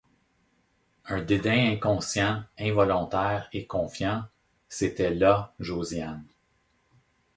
Un dédain inconscient, involontaire et confiant, c’était là Josiane.